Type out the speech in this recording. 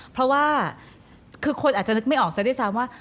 เพราะว่าคือคนอาจจะนึกไม่ออกซะด้วยซ้ำว่า